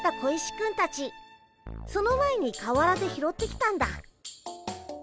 その前に河原で拾ってきたんだ。